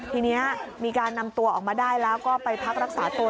ทีนี้มีการนำตัวออกมาได้แล้วก็ไปพักรักษาตัว